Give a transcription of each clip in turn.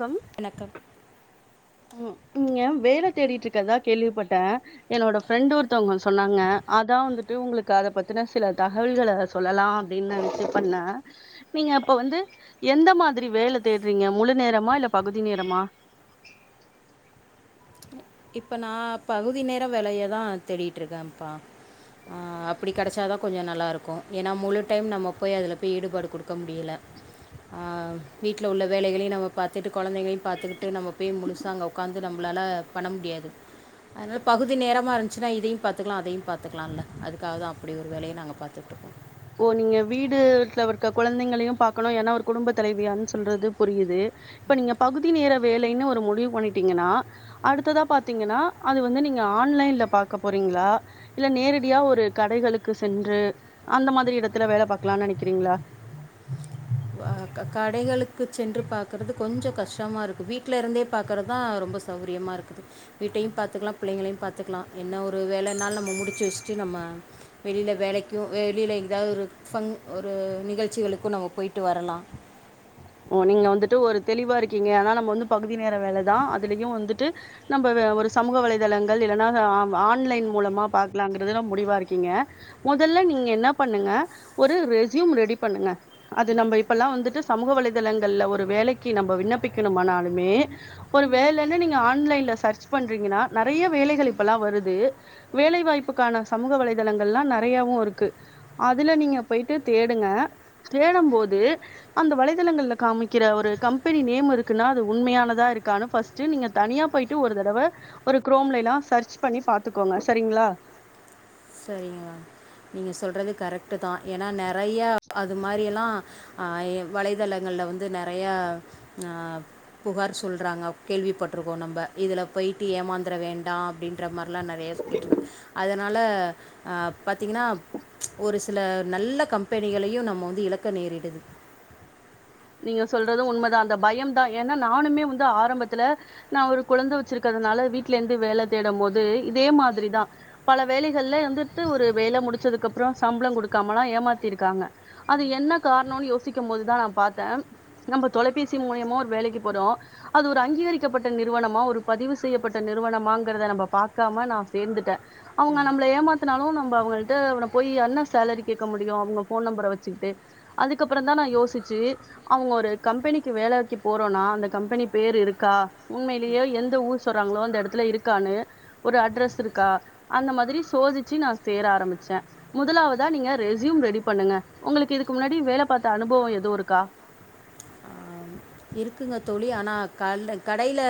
Come வணக்கம் ம் நீங்க வேல தேடிட்ருக்கற்தா கேள்விப்பட்டே என்னோட ஃபிரெண்டு ஒருத்தவங்க சொன்னாங்க அதா வந்து ட்டு உங்குளுக்கு அத பத்துன சில தகவல்கள சொல்லலா அப்டின் நெனச்சு பண்ணே நீங்க இப்ப வந்து எந்த மாதிரி வேல தேட்றிங்க முழு நேர மா இல்ல பகுதி நேரமா இப்ப நா பகுதி நேர வேலய தா தேடிட்ருக்கேம்ப்பா அ அப்டி கெடச்சா தா கொஞ்சோ நல்லாருக்கு ஏனா முழு டைம் நம்ம போய் அதில போய் ஈடுபாடு குடுக்க முடியல அ வீட்ல உள்ள வேலைகளையு நம்ம பாத்துட்டு கொழந்தைங்களையு பாத்துகிட்டு நம்ம போய் முழுசா அங்க ஒக்காந்து நம்ப ளால பண்ண முடியாது அதுனால பகுதி நேரமா இருஞ்ச்சுனா இதியு பாத்துக்லா அதையும் பாத்துக்லால்ல அதுக்காக தா அப்பிடி ஒரு வேலைய நாங்க பாத்துட்டுக்கோ ஓ நீங்க வீடுட்ல இருக்க குழந்தைங்களையும் பாக்கணு ஏனா ஒரு குடும்ப தலைவியான் சொல்றது புரியிது இப்ப நீங்க பகுதி நேர வேலைனு ஒரு முடிவு பண்ணிட்டீங்கனா அடுத்ததா பாத்திங்கனா அது வந்து நீ ங்க ஆன்லைன்ல பாக்க போறீங்ளா இல்ல நேரடியா ஒரு கடைகளுக்கு சென்று அந்த மாதிரி எடத்துல வேல பாக்லான் நெனக்றிங்ளா வ க கடைகளுக்கு சென்று பாக்கறது கொஞ்சொ கஷ்டமாருக்கு வீட்ல இருந்தே பாக்கறதா ரொ ம்ப சௌரியமா இருக்குது வீட்டையும் பாத்துகலா பிள்ளைங்களையும் பாத்துக்லா என்ன ஒரு வேல நாலு நம்ம முடிச்சு வெச்ட்டு ந ம வெளில வேலைக்கு வெளில எதாவது ஒரு ஃபங் ஒரு நிகழ்ச்சிகளுக்கு நம்ம போய் ட்டு வரலா உ நீங்க வந்துட்டு ஒரு தெளிவா இருக்கீங்க அதனா நம்ம வந்து பகுதி நேர வேலதா அதுலியு வந்துட்டு நம்ப வ ஒரு சமூக வலைதளங்கள் இல்லனா ஹ ஆவ் ஆன்லைன் மூலமா பாக்லாங்கிறதுல முடிவா இருக்கீங்க மொதல்ல நீங்க என்னா பண்ணுங்க ஒரு ரெஸ்யூம் ரெடி பண்ணுங்க அது நம்ப இப்பெல்லா வந்துட்டு சமூக வலை தளங்கள்ல ஒரு வேலைக்கி நாம்ப விண்ணப்பிக்கணுமானாலுமே ஒரு வேலனு நீங்க ஆன்லைன்ல சர்ச் ப ண்றீங்கனா நறைய வேலைகள் இப்பல்லா வருது வேலைவாய்ப்புக்கான சமூக வலைதளங்கள்லா நறையா வுருக்கு அதுல நீங்க போயிட்டு தேடுங்க தேடம் போது அந்த வலை தளங்கள்ல காமிக்கிற ஒரு கம்பெனி நேம் இருக்குன்னா அது உண்மையானதா இருக்கானு ஃபஸ்ட்டு நீங்க தனியா போயிட்டு ஒரு தடவ ஒரு குரோம்ல எல்லா சர்ச் பண்ணி பாத்துக்கோங்க சரிங்ளா சரிங்க நீங்க சொல்றது கரெக்ட் தா ஏனா நெறைய அது மாரி எல்லா அ எ வலைதளங்கள் ல வந்து நெறைய அ புகார் சொல்றாங்க கேள்விப்பட்ருக்கோ நம்ப இதுல போயி ட்டு ஏமாந்தற வேண்டா அப்டின்ற மார்லா நறைய சொல்லிட்ருக்கா அதனால அ பத்திங்கனா ஒரு சில நல்ல கம்பெனிகளையு நம்ம வந்து இழக்க நேரிடுது நீங்க சொல்றது உண்மதா‌ அந்த பயம் தா ஏன்னா நானுமே வந்து ஆரம்பத்துல நா ஒரு குழந்த வெச்சிருகதுனா ல வீட்லந்து வேல தேடம் போது இதே மாதிரிதா பல வேலைகள்ல வந்துட்டு ஒரு வேல முடிச்சது அதுக்கப்புறோ சம்ளோ குடுக்காமல்லா ஏமாத்திருக்காங்க அது என்ன கார்ணோன் யோசிக்கம் போதுதா பாத்தே நம்ப தொலைபேசி மூலியமா ஒரு வேலைக்கி போறோ அது ஒரு அங்கீகரிக்கப்பட்ட நிறுவனமா ஒரு ப திவு செய்யப்பட்ட நிறுவனமாங்கறத நம்ப பாக்காம நா சேந்துட்டே அவுங்க நம்மள ஏமாத்துனாலு நம்ப அவு ங்கள்ட்ட அவன போயி என்ன சேலரி கேக்க முடியு அவுங்க ஃபோன் நம்பர வெச்சுகிட்டு அதுக்கப்பறந்தா நா யோசி ச்சு அவுங்க ஒரு கம்பெனிக்கு வேலக்கி போறோனா அந்த கம்பெனி பேர் இருக்கா உண்மைலியோ எ ந்த ஊர் சொல்றாங்ளோ அந்த எடத்துல இருக்கானு ஒரு அட்ரஸ் இருக்கா அந்த மாதிரி சோதிச்சி நா சேர ஆரமிச்சே முதலாவதா நீங்க ரெஸ்யூம் ரெடி பண்ணுங்க உங்களுக்கு இதுக்கு முன்னாடி வேல பாத்த அனுபவோ எது இரு க்கா இருக்குங்க தோழி ஆனா க கடையில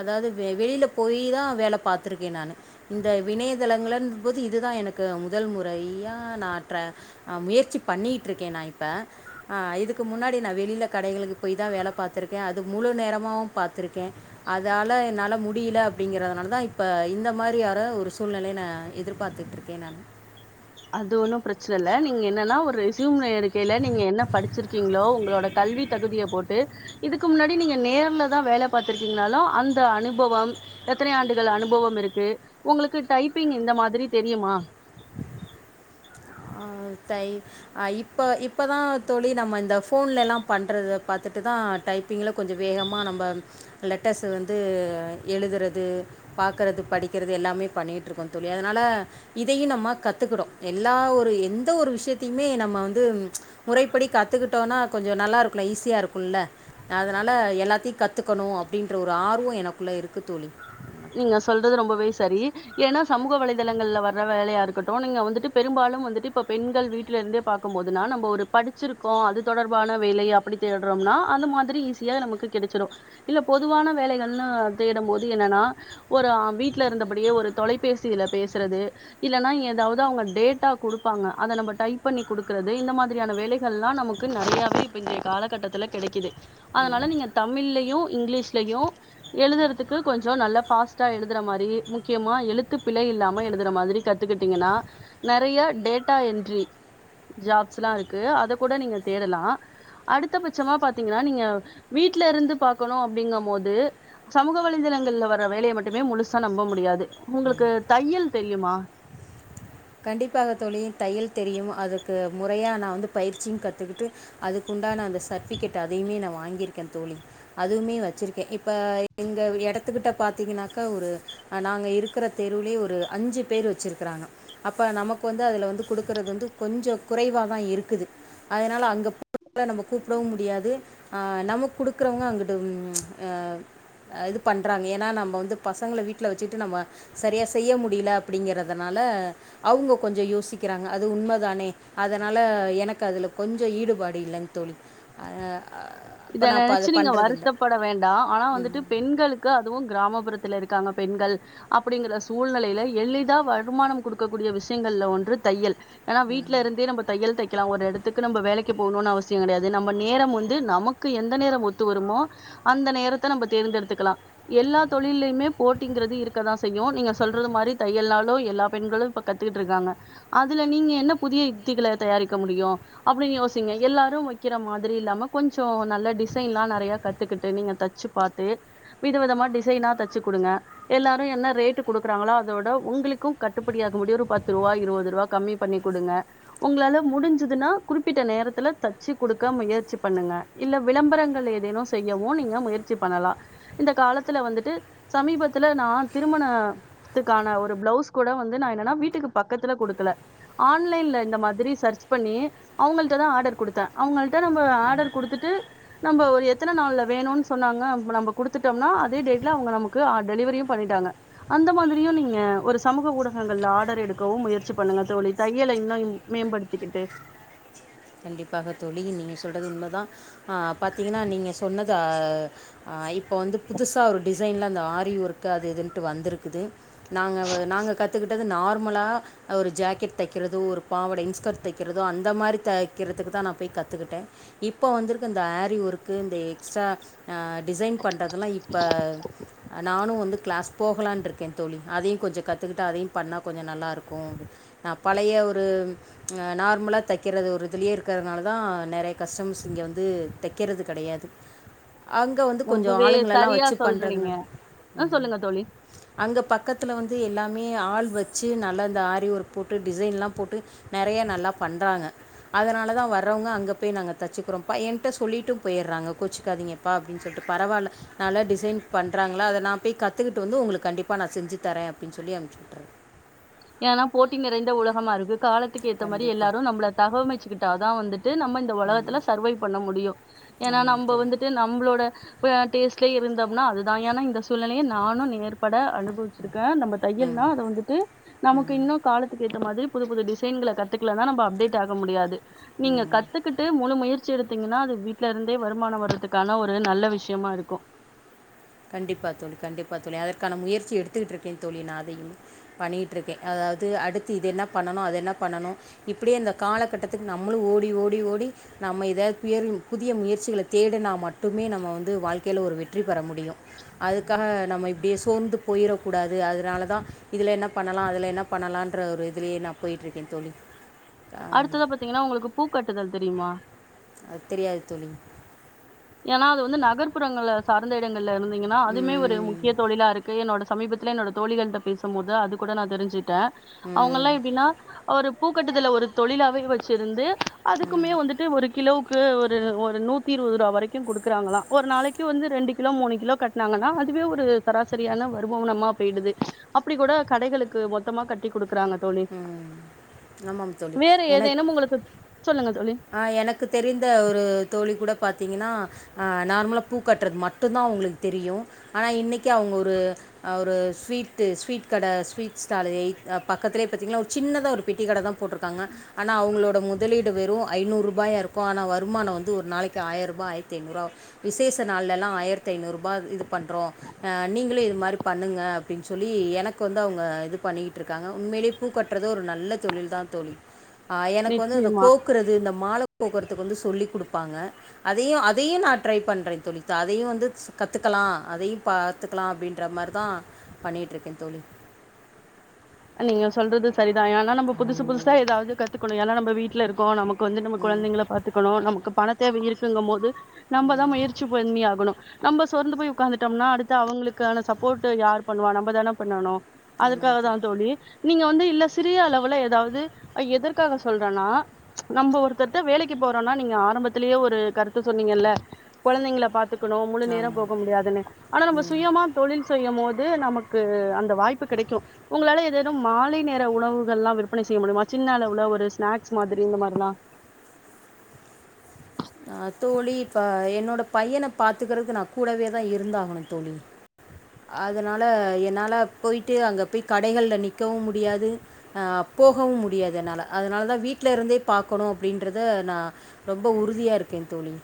அதாவது வெளியில போயி தா வேல பாத்ருக் இருக்கே நானு இந்த விணையதளங்கள போது இதுதா எனக்கு முதல் முறையா நாற்ற முயற்சி பண்ணிகிட்டு இருக்கே நா இப்ப இதுக்கு முன்னாடி நா வெளியில கடைகளுக்கு போய் தா வேல பாத்ருக்கே அது முழு நேரமாவு பாத்ருக்கே அதால என்னால முடியல அப்படிங்கிறதுனால தா இப்ப இந்த மாரி ஆர சூழ்நிலைய நா எதிர்பார்த்துட்ருக்கே நானு அது ஒன்னு பிரச்சன இல்ல நீங்க என்னன்னா ஒரு ரெஸ்யூமை இருக்கையில நீங்க என்ன படிச்சிருக்கீங்களோ உங்களோட கல்வி தகுதியை போட்டு இதுக்கு முன்னாடி நீங்க நேர்ல தா வேல பாத்திருக்கீங்கன்னாலு அந்த அனுபவம் எத்தனை ஆண்டுகள் அனுபவம் இருக்கு உங்களுக்கு டைப்பிங் இந்த மாதிரி தெரியிமா [unintelligible] தை இப்ப இப்ப தா தோழி நம்ம இந்த ஃபோன்லலா பண்றத பாத்துட்டு தா டைப்பிங்கில கொஞ்ச வேகமாக நம்ம லெட்டர்ஸ வந்து எழுதுறது பாக்கறது படிக்கிறது எல்லாமே பண்ணிட்ருக்கோ தோழி அதனால இதையு நம்ம கத்துக்றோ எல்லா ஒரு எந்த ஒரு விஷயத்தையுமே நம்ம வந்து முறைப்படி கத்துக்கிட்டோனா கொஞ்ச நல்லா இருக்கல ஈஸியா இருக்குல்ல அதனால எல்லாத்தையு கத்துக்கணு அப்டின்ற ஒரு ஆர்வ எனக்குள்ள இருக் நீங்க சொல்றது ரொம்பவே சரி ஏன்னா சமூக வலைதளங்கள் வர வேலையா இருக்கட்டு நீங்க வந்துட்டு பெரும்பாலும் வந்துட்டு இப்ப பெண்கள் வீட்டில இருந்தே பாக் கும் போதுனா நம்ம ஒரு படிச்சிருக்கோ அது தொடர்பான வேலைய அப்படி தேட்றோம்னா அந்த மாதிரி ஈஸியா நமக்கு கடைச்சிடு இல்ல பொதுவான வேலைகள்னா தேட போது என்னன்னா ஒரு வீட்ல இருந்தபடியே ஒரு தொலைபேசியில பேசுறது இல்லன்னா எதாவது அவங் டேட்டா கொடுப்பாங்க அத நம்ம டைப் பண்ணி கொடுக்கறது இந்த மாதிரியான வேலைகள் எல்லா நமக்கு நறையாவே இங் காலகட்டத்தில கடைக்குது அதனால நீங்க தமிழ்லையு இங்கிலீஷ்லையு எழுதுறத் த்துக்கு கொஞ்ச நல்லா ஃபாஸ்ட்டா எழுதுற மாதிரி முக்கியமா எழுத்துப்பிழை இல்லாம எழுதுற மாதிரி கத்துக்கிட்டிங்கன்னா நறைய டேட்டா என்ட்ரி ஜாப்ஸ்ல்லா இருக்கு அத கூட நீங்க தேடலா அடுத்தபட்சமா பாத்தீங்கன்னா நீங்க வீட்ல இருந்து பாக்கணு அப்டிங்கு போது சமூக வலைதளங்கள்ல வர வேலையை மட்டுமே முழுசா நம்ப முடியாது உங்களுக்கு தையல் தெரியுமா [unintelligible] கண்டிப்பாக தோழி தையல் தெரியும் அதுக்கு முறையா நா வந்து பயிற்சியு கத்துக்கிட்டு அதுக்கு அந்த சர்ட்பிகேட் அதைய்மே நா வாங்கியிருக்கே தோழி அதுவுமே வச்சிருக்கே இப்ப எங்க எடத் கத்துக்கிட்ட பாத்தீங்கனாக்கா ஒரு நாங்க இருக்கிற தெருவுலே ஒரு அஞ்சு பேர் வச்சுருக்கறாங்க அப்ப நமக்கு வந்து அதுல வந்து குடுக்குறது வந்து கொஞ்ச குறைவாதா இருக்குது அதனால அங்க அதால நம்ம கூப்டவு முடியாது ஆ நமக் கொடுக்குறவங்க அங்கட்டு ஆ இது பண்றாங்க ஏன்னா நம்ம வந்து பசங்கள வீட்ல வச்சுட்டு நம்ம சரியா செய்ய முடியல அப்படிங்கறதுனால அவங்க கொஞ்ச யோசிக்கிறாங்க அது உண்மைதானே அதனால எனக்கு அதுல கொஞ்ச ஈடுபாடு இல்ல தோழி அ இத நெனச்சு நீங்க வருத்தப்பட வேண்டா ஆனா வந்துட்டு பெண்களுக்கு அதுவு கிராமப்புறத்துல இருக் இருக்காங்க பெண்கள் அப்படிங்கிற சூழ்நெலைல எளிதா வருமானம் குடுக்கக்கூடிய விஷயங்கள்ல ஒன்று தையல் ஏன்னா வீட்லருந்தே நம்ம தையல் தைக் க்லா ஒரு எடத்துக்கு நம்ம வேலைக்கு போணுனு அவசியங்கடையாது நம்ம நேரம் வந்து நமக் க்கு எந்த நேரம் ஒத்து வருமோ அந்த நேரத்த நம்ம தேர்ந்தெடுத்துக்கலா எல்லா தொழிலயுமே போட்டிங் இருக்கதா செய்யு நீங்க சொல்றது மாதிரி தையல் நாலு எல்லா பெண்களும் இப்ப கத்துக்கிட்டுருக்காங்க அதுல நீங்க என்ன புதிய யுத்திகள தயாரிக்க முடியு அப்டின்னு யோசிங்க எல்லாரு வைக்கிற மாதிரி இல்லாம கொஞ்ச நல்ல டிசைன்லா நறைய கத்துக்கிட்டு நீங்க தச்சு பாத்து வித விதமா டிசைனா தச்சுக்குடுங்க எல்லாரு என்ன ரேட் குடுக்குறாங்களோ அதோட உங்களுக்கு கட்டுப்படியாக முடி ஒரு பத்துருபா இருவதுருபா கம்மி பண்ணிக்குடுங்க உங்களால முடிஞ்சுதுன்னா குறிப்பிட்ட நேரத்துல தச்சு குடுக்க முயற்சி பண்ணுங்க இல்ல விளம்பரங்கள் ஏதேனோ செய்யவு நீங்க முயற்சி பண்ணலா இந்த காலத்துல வந்துட்டு சமீபத் த்துல நா திருமணத்துக்கான ஒரு ப்ளவுஸ் கூட வந்து நா என்னன்னா வீட்டுக்கு பக்கத்துல குடுக்கல ஆன்லைன்ல இந்த மாதிரி சர்ச் பண்ணி அவங்கள்ட தா ஆடர் குடுத்தே அவங்கள்ட நம்ம ஆடர் குடுத் நம்ம ஒரு எத்தன நாள்ல வேணுன்னு சொன்னாங்க நம்ம குடுத்துட்டோம்னா அதே டேட்ல அவுங்க நமக்கு டெலிவரியு பண்ணிட்டாங்க டாங்க அந்த மாதிரியு நீங்க ஒரு சமூக ஊடகங்ல ஆடர் எடுக்கவு முயற்சி பண்ணுங்க தோழி தையல இன்னு ம் மேம்படுத்திக்கிட்டு கண்டிப்பாக தோழி நீங்க சொல்றது உண்மதா ஆ பாத்தீங்கன்னா நீங்க சொன்னது ஆ ஐ இப்ப வந்து புதுசா ஒரு டி சைன்ல அந்த ஆரி ஒர்க்கு அது இதுன்ட்டு வந்திருக்குது நாங்க வ நாங்க கத்துக்கிட்டது நார்மலா அத ஒரு ஜாக்கெட் தக்கிறதோ ஒரு பாவட இன்ஸ் கட் தக்கிறதோ அந்த மாரி தக் கிறதுக்கு தா நா போய் கத்துக்கிட்டே இப்போ வந்திருக்க இந்த ஆரி ஒர்க்கு இந்த எக்ஸ்ட்டா ஆ டிசைன் பண்றதுலா இப்ப நானு வந் து க்ளாஸ் போகலான்ருக்கே தோழி அதையு கொஞ்சோ கத்துக்கிட்டா அதையு பண்ணா கொஞ்சோ நல்லாருக்கு நா பழை ய ஒரு ஆ நார்மலா தைக்கறது ஒரு இதுலயே இருக்கறனால தா நெறைய கஸ்டமஸ் இங்க வந்து தக்கறது கெடயாது அங்க வந்து கொஞ்சோ ரொம்பவே ஆளுங்களெல்லா சரியா வச்சு சொல்றீங்க பண்றதுனால ஆ ம் சொல்லுங்க தோழி அங்க பக்கத்துல வந்து எல்லாமே ஆள் வச்சு நல்லா இந்த ஆரி ஒர்க் போட்டு டிசைன்லா போட்டு நெறை யா நல்லா பண்றாங்க அதனால தா வரோவ்ங்க அங்கே போய் நாங்க தச்சுக்கிறோப்பா என்ட்ட சொல்லிட்டு போய்றாங்க கோச்சுக்காதீங்கப்பா அப்டின் சொல்ட்டு பரவால்ல நல்ல டிசைன் பண்றாங்ளா அத நா பேய் கத்துக்கிட்டு வந்து உங்ளுக்கு கண்டிப்பா நா செஞ்சு தரே அப்டின் சொல்லி அனுப்பிச்சி விட்றேன் ஏனா போட்டி நிறைந்த உலகமாருக்கு காலத்துக்கு ஏத்த மாரி கண்டிப்பாக எல்லாரு நம்ள தகவமைச்சுக்கிட்டாதா வந்து ட்டு நம்ம இந்த ஒலகத்துல சர்வை பண்ண முடியு ஏனா ஆமாம் நம்ப தோழி வந்துட்டு நம்ளோட ப்ப டேஸ் கே இருந்தம்னா அது தா ஏனா இந்த சூழ்நெலைய நானு நேர்ப த அனுபவிச்சிருக்கே நம்ம ம் தையல்னா அத வந்துட்டு நமக்கு இன்னு காலத்துக்கு ஏற்ற மாதி புது புது டிசைன்க்ள கத்துக்லனா நம்ப அப்டேட் ஆக முடியாது ம் நீங்க கத்துக்கிட்டு முழு முயற் ச்சி எடுத்தீங்கன்னா அது வீட்லருந்தே வருமானோ வர்றதுக்கான ஒரு நல்ல விஷ்யமாருக்கு கண்டிப்பா தோழி கண்டிப்பா தோழி அதற்கான முயற்சி எடுத்துகிட்ருக்கே தோழி நா அதயு பண்ணிகிட்ருக்கே அ அதாவ்து அடுத்து இது என்ன பண்ணணு அது என்ன பண்ணணு இப்பிடியே இந்த காலக்கட்டத்துக்கு நம்ளு ஓடி ஓடி ஓடி நம்ம எதா புயரி புதிய முயற்சிகள தேடுனா மட்டுமே நம்ம வந்து வாழ்க்கைல ஒரு வெற்றி பெற முடியு அதுக்காக நம்ம இப்டியே சோர்ந்து போயிரக்கூடாது அதனால தா இதுல என்ன பண்ணலா அதுல என்ன ப ண்ணலான்ற ஒரு இதுலே நா போய்ட்ருக்கே தோழி ஆ, அடுத்ததா பாத்தீங்கன்னா உங்களுக்கு பூக்கட்டுதல் தெரிமா அது தெரியாது தோழி ஏனா அது வந்து நகர்ப்புறங்கள்ல சார்ந்த இடங்கள்ல இருந்தீங்கன்னா அதுமே ஒரு ம் முக்கிய தொழிலாருக்கு என்னோட சமீபத்துல என்னோட தோழிகள்ட்ட பேசும் போது அது கூட நா தெரிஞ்சுட்டே ம் அவுங்கல்லா எப்டின்னா ஒரு பூ கட்டுதல ஒரு தொழிலாவே வச்சிருந்து ம் அதுக்குமே வந்துட்டு ஒரு கிலோவுக்கு ஒரு ஒரு நூத் திருவதுரூவா வரை க்கு குடுக்குறாங்ளா ஒரு நாளைக்கு வந்து ரெண்டு கிலோ மூணு கிலோ கட்னாங்கன்னா அதுவே ஒரு சராசரியான வருவனமா போய்டுது அப்டி கூட கடைகளுக்கு மொத்தமா கட்டி குடுக்குறாங்க தோழி. ம் ஆமாம் தோழி வேற என ஏதேனும் உங்களுக்கு சொல்லுங்க தோழி. ஆ எனக்கு தெரிந்த ஒரு தோழி கூட பாத்திங்கன்னா ஆ நார்மலா பூ கட்றது மட்டு தா அவுங்களுக்கு தெரியு ஆனா இன்னக்கி அவுங்க ஒரு ஆ ஒரு ஸ்வீட்டு ஸ்வீட் கட ஸ்வீட் ஸ்டாலு எய்த் பக்கத்துலே பாத்தீங்ளா ஒரு சின்னதா ஒரு பெட்டி கட தா போட்ருக்காங்க ஆனா அவுங்களோட முதலீ டு வெறு ஐநூறு ரூபாயாருக்கு ஆனா வருமானோ வந்து ஒரு நாளைக்கு ஆயரூபா ஆயர்த்தைநூறுவா விசேஷ நாள்லலா ஆ ஆயர்த்தைநூறுபா இது பண்றோ ஆ நீங்களு இ த் மாரி பண்ணுங்க அப்டின் சொல்லி எனக்கு வந்து அவுங்க இது பண்ணிக்கிட்ருக்காங்க உண்மயிலே பூ கட்றது ஒரு நல்ல தொழில் தா தோழி ஆ எனக்கு வந்து இந்த நிச்சயமா. கோக்குறது இந்த மால கோக்குறதுக்கு வந்து சொல்லி குடுப்பாங்க அதயு அதயு நா ட்ரை பண்றே தோழி த அதயு வந்து கத்துக் லா அதயு பாத்துக்லா அப்டின்ற மார் தா பண்ணிட்ருக்கே தோழி நீங்க சொல்றது சரி தா ஏனா நம்ப புதுசு புதுசா எதாவ்து கத்துக்கணு ஏனா நம்ப வீட்லருக்கோ நம க்கு வந்து நம்ம ம் கொழந்தைங்ள பாத்துக்கணு நமக்கு பண தேவை இருக்குங்க போது நம்ப தா முயற்சி பண்ணி ஆகணு நம்ப சொர்ந்து போய் உக்காந்துட்டம்னா அடுத்து அவுங்ளுக்கான சப்போட்டு யார் பண்ணுவா நம்ப தான பண்ணனு ஆமாங் தொ நீங்க வந்து இல்ல சிறிய அளவுல ஏதாவது எதற்காக சொல்றனா நம்ப ஒருத்தர்ட்ட வேலக்கி போறோன்னா நீங்க ஆரம்பத்துலியே ஒரு கருத்த சொன்னீங்கல்ல கொழந்தைங்ள பாத்து குனு முழு நேர ஆமாம் போக முடியாதுனு அனா நம்ப ம் சுயமா தொழில் செய்யமோது நமக்கு அந்த வாய்ப்பு கிடைக்கு ஒங்ளால எதேதும் மாலை நேர உணவுகள்லா விற்பனை செய்ய முடியுமா சின்ன அளவுல ஒரு ஸ்நேக்ஸ் மாதுரி இந்த மாரிலா அ தோழி இப்ப என்னோட பையன பாத்துக்கறத்க்கு நா கூடவே தா இருந்தாகணு தோழி அதனால என்னால போய்ட்டு அங்க பேய் கடைகள்ல நிக்கவு முடியாது அ அப்போ போகவு முடியாது என்னால அதனால தா வீட்ல இருந்தே பாக்கணு அப்படின்றத நா ரொம்ப உறுதியா இருக்கே தோழி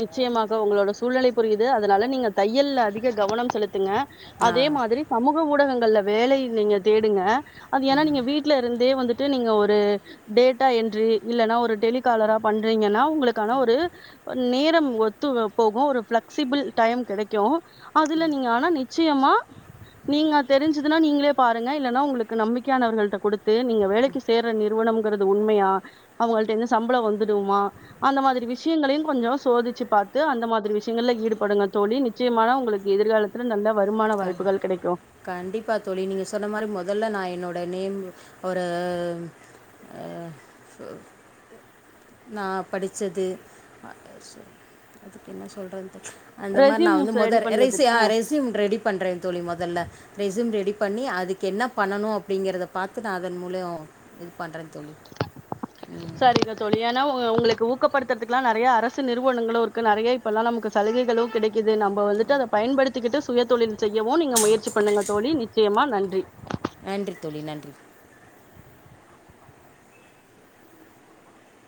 நிச்சயமாக உங்ளோட சூழ்நலை புரியுது அதனால நீங்க தையல்ல அதிக கவனம் செலுத்துங்க ஆ அதே மாதுரி சமூக ஊடகங்கள்ல வேலை நீங்க தேடுங்க அது ஏனா நீங்க வீட்ல இருந்தே வந்துட் நீங்க ஒரு டேட்டா என்ரி இல்லனா ஒரு டெலிகாலரா பண்றீங்கனா உங்களுக்கான ஒரு நேரம் ஒத்து வ போகு ஒரு ஃபிளக்சிபுள் டைம் கெடக்கு அதுல நீங்க ஆனா நிச்சியமா நீங்க தெரிஞ்சிதுனா நீங்ளே பாருங்க இல்லனா உங்ளுக்கு நம்பிக்யானவர்கள்ட்ட குடுத்து நீங்க வேலக்கி சேற நிறுவனம் ங்கறது உண்மயா அவுங்கள்ட்டேந்து சம்பளம் வந்துடுமா அந்த மாதுரி விஷ்யங்களையு கொஞ்சொ சோதிச்சு பாத்து அந்த மாதிரி விஷியங்கள்ல ஈடுபடுங்க தோழி நிச்சியமான உங்களுக்கு எதிர்காலத்துல நல்ல வருமான க வாய்ப்புகள் கிடைக்கு கண்டிப்பா தோழி நீங்க சொன்ன மாரி மொதல்ல நா என்னோட நேம் ஒர நா படிச்சது அ சொல் அதுக் என்ன சொல்றது அந்த மார் நா ரெஸ்யூம் வந்து மொத ரெடி பண்ணுங்க தோழி ரெசி அ ஆ ரெஸ்யூம் ரெடி பண்ணுறேன் தோழி மொதல்ல ரெஸ்யூம் ரெடி பண்ணி அதுக்கு என்ன பண்ணனு அப்டிங்கெற்த பாத்து நா அதன் மூலயொ பண்றே தோழி ம் நா ஒங்க ஒங்ளுக்கு ஊக்கப்பட்த்தற்துக்குலா நறைய அரசு நிறுவனங்களு இருக்கு நறைய இப்பல்லா நம்க்கு சலுகைகளு கிடைக் கிது நம்ப வந்துட்டு அத பயன்படுத்திக்கிட்டு சுயதொழில் செய்யவு நீங்க முயற்சி பண்ணுங்க தோழி நிச்சியமா நன்றி நன்றி தோழி நன்றி